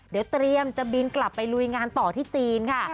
เดี๋ยวเตรียมจะบินกลับไปลุยงานต่อที่จีนค่ะ